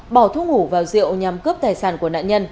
bỏ thuốc ngủ vào rượu nhằm cướp tài sản của nạn nhân